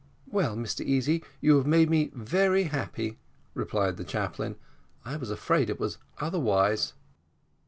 "Well, Mr Easy, you've made me very happy," replied the chaplain; "I was afraid it was otherwise."